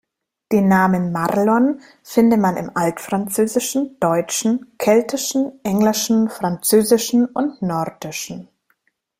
Den Namen "Marlon" finde man im Altfranzösischen, Deutschen, Keltischen, Englischen, Französischen und Nordischen.